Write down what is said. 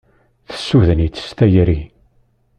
Tessuden-it s tayri.